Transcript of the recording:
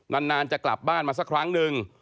นานจะกลับบ้านมาสักครั้งนึง